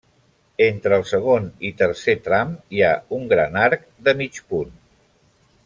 Entre el segon i tercer tram hi ha un gran arc de mig punt.